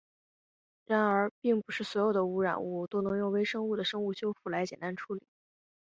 然而并不是所有的污染物都能用微生物的生物修复来简单处理。